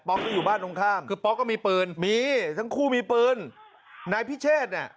ก็อยู่บ้านตรงข้ามคือป๊อกก็มีปืนมีทั้งคู่มีปืนนายพิเชษเนี่ย